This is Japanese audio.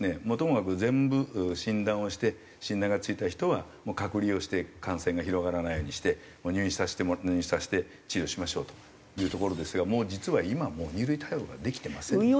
もうともかく全部診断をして診断がついた人は隔離をして感染が広がらないようにして入院させて治療しましょうというところですが実は今はもう２類対応ができてません。